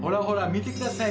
見てください